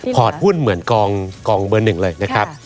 พอร์ตหุ้นเหมือนกองเบอร์หนึ่งเลยนะครับ